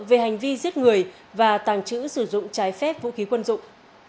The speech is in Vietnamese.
về hành vi giết người và tàng trữ sử dụng trái phép vũ khí quân dụng